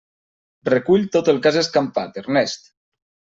Recull tot el que has escampat, Ernest!